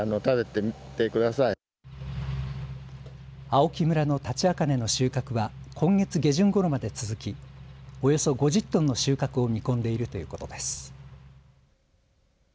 青木村のタチアカネの収穫は今月下旬ごろまで続きおよそ５０トンの収穫を見込んでいるということです。